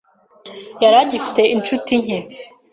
Yari agifite inshuti nke.